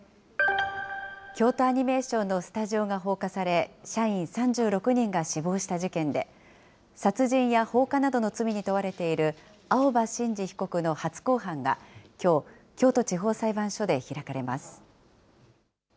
京都アニメーションのスタジオが放火され、社員３６人が死亡した事件で、殺人や放火などの罪に問われている青葉真司被告の初公判がきょう、京都地方裁判所で開かれます。